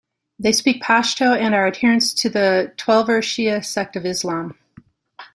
They speak Pashto and are adherents of the Twelver Shia sect of Islam.